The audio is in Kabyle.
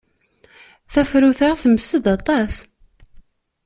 Tafrut-a temsed aṭas.